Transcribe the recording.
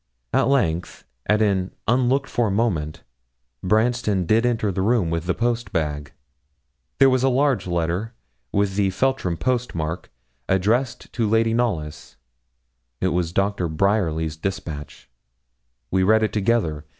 At length, at an unlooked for moment, Branston did enter the room with the post bag. There was a large letter, with the Feltram post mark, addressed to Lady Knollys it was Doctor Bryerly's despatch; we read it together.